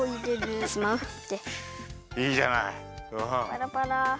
パラパラ。